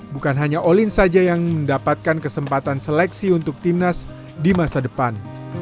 bukan hanya olin saja yang mendapatkan kesempatan seleksi untuk timnas di masa depan